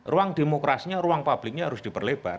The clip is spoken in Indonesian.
ruang demokrasinya ruang publiknya harus diperlebar